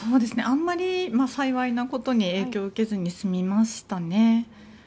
あんまり、幸いなことに影響を受けずに済みましたね。